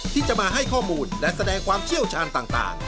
ที่จะมาให้ข้อมูลและแสดงความเชี่ยวชาญต่าง